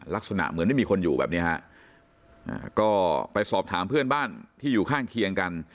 ลักษณะเหมือนไม่มีคนอยู่แบบเนี้ยฮะก็ไปสอบถามเพื่อนบ้านที่อยู่ข้างเคียงกัน